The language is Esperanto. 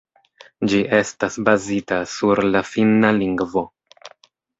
Ĝi estas bazita sur la Finna lingvo.